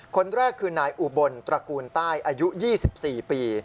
คนแรกคือนายอุบลตระกูลใต้อายุ๒๔ปี